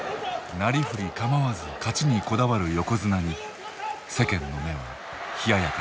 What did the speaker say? なりふり構わず勝ちにこだわる横綱に世間の目は冷ややかだった。